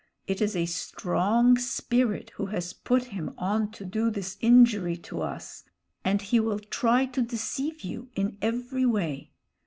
It is a strong spirit who has put him on to do this injury to us, and he will try to deceive you in every way.